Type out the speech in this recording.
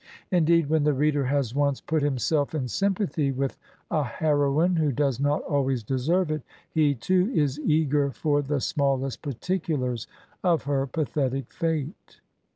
Indeed, when the reader has once put himself in sympathy with a heroine who does not always deserve it, he too is eager for the smallest particulars of her pathetic fate.